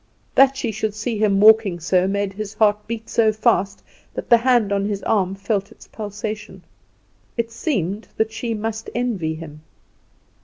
That she should see him walking so made his heart beat so fast, that the hand on his arm felt its pulsation. It seemed that she must envy him.